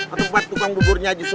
atau buat tukang buburnya juga